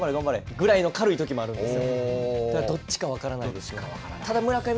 頑張れ頑張れぐらいの軽いときもあるんですよ。